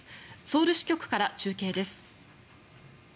ソウル支局から中継です。